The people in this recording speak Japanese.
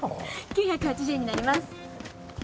９８０円になります。